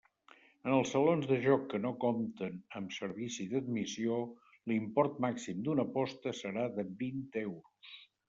En els salons de joc que no compten amb servici d'admissió l'import màxim d'una aposta serà de vint euros.